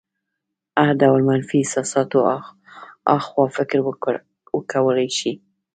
له هر ډول منفي احساساتو اخوا فکر وکولی شي.